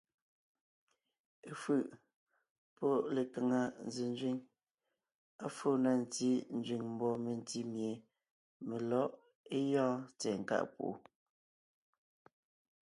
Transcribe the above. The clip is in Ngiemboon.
Efʉ̀ʼ pɔ́ lekaŋa zẅénzẅíŋ, à fó na ntí nzẅíŋ mbɔɔ mentí mie melɔ̌ʼ é gyɔ́ɔn tsɛ̀ɛ nkáʼ púʼu.